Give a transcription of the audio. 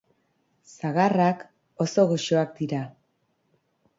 Sagarrak oso goxoak dira